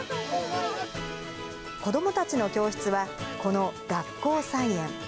子どもたちの教室は、この学校菜園。